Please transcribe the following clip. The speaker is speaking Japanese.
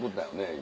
今。